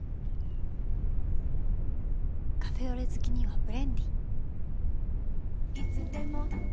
カフェオレ好きには「ブレンディ」